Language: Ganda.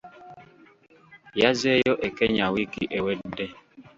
Yazzeeyo e Kenya wiiki ewedde.